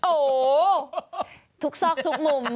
โอ้โหทุกซอกทุกมุม